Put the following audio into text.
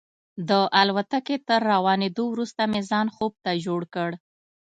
د الوتکې تر روانېدو وروسته مې ځان خوب ته جوړ کړ.